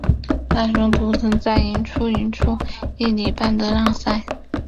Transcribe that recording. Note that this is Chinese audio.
大雄图曾在赢出赢出一哩半的让赛。